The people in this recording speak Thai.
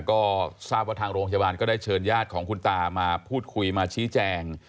ก็ทราบว่าทางโรงพยาบาลก็ได้เชิญญาติของคุณตามาพูดคุยมาชี้แจง